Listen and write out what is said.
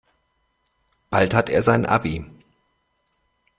Bald hat er sein Abi.